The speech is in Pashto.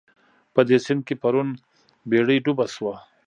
په دې سيند کې پرون بېړۍ ډوبه شوه